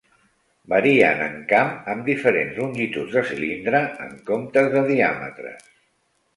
Varien en camp amb diferents longituds de cilindre, en comptes de diàmetres.